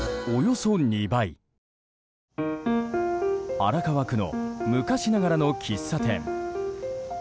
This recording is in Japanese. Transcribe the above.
荒川区の昔ながらの喫茶店。